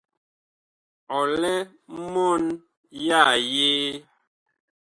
Ɔ lɛ mɔɔn ya yee ?